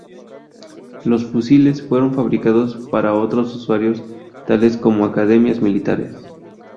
Los fusiles fueron fabricados para otros usuarios, tales como Academias Militares.